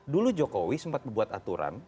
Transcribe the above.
dulu jokowi sempat membuat aturan